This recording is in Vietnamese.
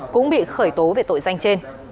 cũng bị khởi tố về tội danh trên